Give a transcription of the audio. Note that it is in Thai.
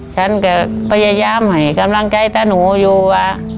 ฉันก็พยายามให้กำลังใจตาหนูอยู่ว่า